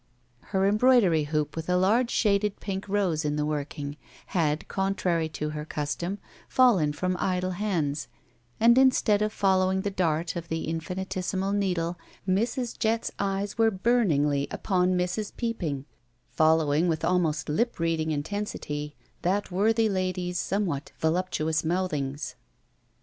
Her embroidery hoop, with a large shaded pink rose in the worldng, had, contrary to her custom, fallen from idle hands, and instead of following the dart of the infinitesimal needle, Mrs. Jett's eyes were bumingly upon Mrs. Peopping, following, with almost lip reading intensity, that worthy lady's somewhat voluptuous mouthings.